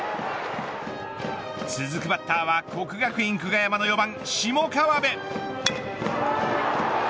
続くバッターは国学院久我山の４番下川辺。